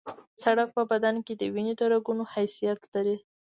سړک په بدن کې د وینې د رګونو حیثیت لري